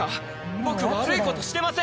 僕悪いことしてません！